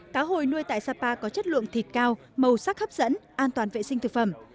cá hồi nuôi tại sapa có chất lượng thịt cao màu sắc hấp dẫn an toàn vệ sinh thực phẩm